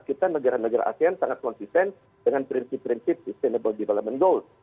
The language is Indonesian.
kita negara negara asean sangat konsisten dengan prinsip prinsip sustainable development goals